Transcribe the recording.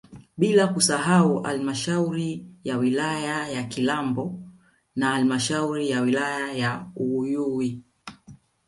Bila kusahau halmashauri ya wilaya ya Kalambo na halmashauri ya wilaya ya Uyui